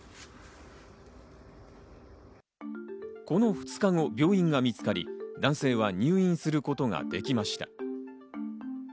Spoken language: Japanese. この２日後、病院が見つかり、男性は入院することができました。